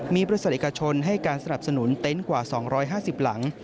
มีบริษัทเอกชนให้การสนับสนุนเต็นต์กว่า๒๕๐หลัง